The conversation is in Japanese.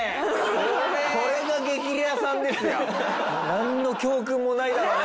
なんの教訓もないだろうね